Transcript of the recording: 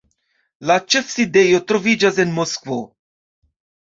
La ĉefsidejo troviĝas en Moskvo.